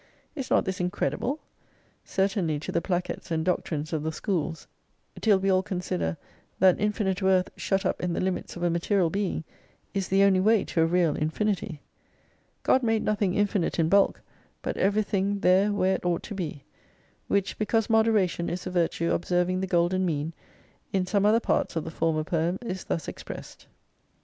Is not this incredible ? Certainly to the placets and doctrines of the schools : Till we all consider, That infinite worth shut up in the hmits of a material being, is the only way to a real infinity. God made nothing infinite in bulk, but everything there where it ought to be. Which, because moderation is a virtue observing the golden mean, in some other parts of the former poem, is thus expressed.